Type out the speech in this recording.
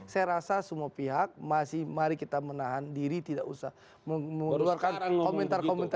saya rasa semua pihak masih mari kita menahan diri tidak usah mengeluarkan komentar komentar